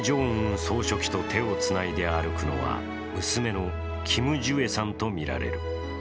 総書記と手をつないで歩くのは娘のキム・ジュエさんとみられる。